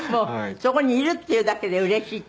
そこにいるっていうだけでうれしい。